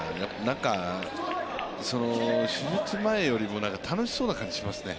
手術前よりも楽しそうな感じがしますね。